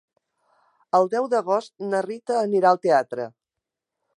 El deu d'agost na Rita anirà al teatre.